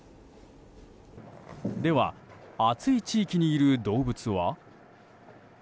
では、暑い地域にいる動物は？